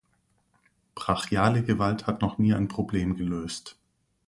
Brachiale Gewalt hat noch nie ein Problem gelöst.